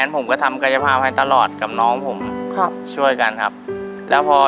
หายด้วยตัวเองด้วยนะครับ